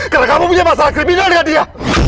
karena kamu punya masalah kriminal dengan dia